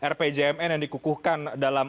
rpjmn yang dikukuhkan dalam